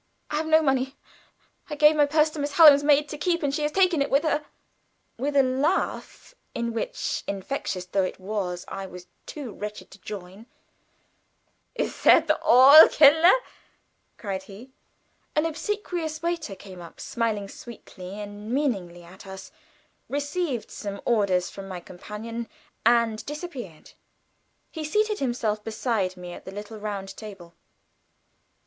"I have no money. I gave my purse to Miss Hallam's maid to keep and she has taken it with her." With a laugh, in which, infectious though it was, I was too wretched to join: "Is that all? Kellner!" cried he. An obsequious waiter came up, smiled sweetly and meaningly at us, received some orders from my companion, and disappeared. He seated himself beside me at the little round table.